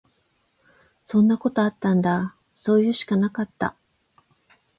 そんなことあったんだ。そういうしかなかった。